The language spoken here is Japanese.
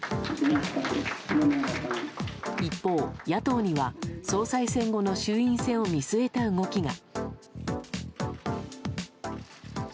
一方、野党には総裁選後の衆院選を見据えた動きが。